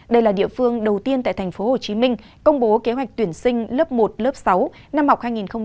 đây là địa phương đầu tiên tại tp hcm công bố kế hoạch tuyển sinh lớp một lớp sáu năm học hai nghìn hai mươi hai nghìn hai mươi một